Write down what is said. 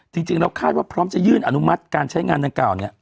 จริงแล้วคาดว่าพร้อมจะยื่นอนุมัติการใช้งานดังกล่าวเนี่ย